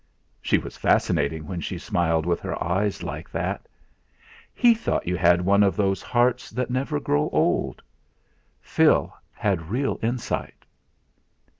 She was fascinating when she smiled with her eyes, like that! "He thought you had one of those hearts that never grow old. Phil had real insight."